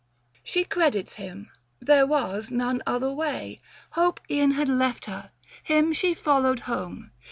She credits him ; there was none other way ; Hope e'en had left her, him she followed home.